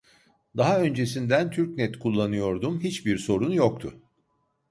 Daha öncesinden Türknet kullanıyordum hiç bir sorun yoktu